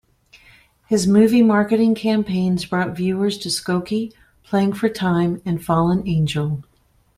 His movie marketing campaigns brought viewers to "Skokie", "Playing for Time" and "Fallen Angel".